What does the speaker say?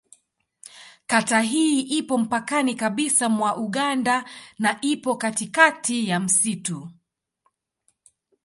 Kata hii ipo mpakani kabisa mwa Uganda na ipo katikati ya msitu.